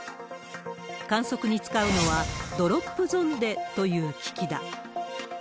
観測に使うのは、ドロップゾンデという機器だ。